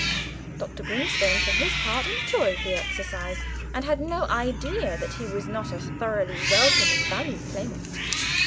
Dr. Grimstone for his part enjoyed the exercise, and had no idea that he was not a thoroughly welcome and valued playmate.